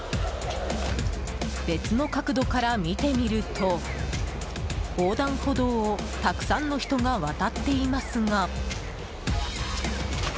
別の角度から見てみると横断歩道をたくさんの人が渡っていますが。